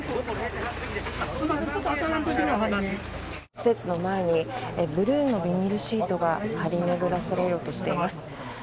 施設の前にブルーのビニールシートが張り巡らされようとしています。